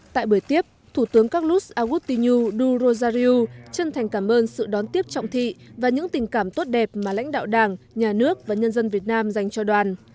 tại buổi tiếp thủ tướng karus awuttiu du rojariu chân thành cảm ơn sự đón tiếp trọng thị và những tình cảm tốt đẹp mà lãnh đạo đảng nhà nước và nhân dân việt nam dành cho đoàn